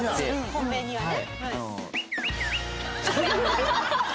本命にはね。